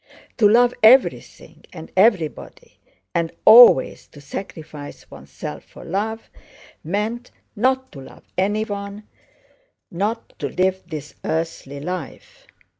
To love everything and everybody and always to sacrifice oneself for love meant not to love anyone, not to live this earthly life.